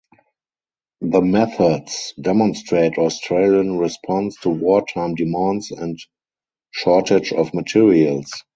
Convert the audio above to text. The methods demonstrate Australian response to wartime demands and shortage of materials.